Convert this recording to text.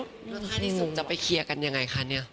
แล้วถ้านี้สุดจะไปเคลียร์กันอย่างไรคะนี่